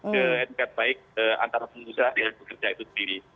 ke etikat baik antara pengusaha dan pekerja itu sendiri